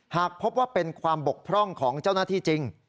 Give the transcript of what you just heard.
หากพบว่าเป็นความบกพร่องของเจ้าหน้าที่จริง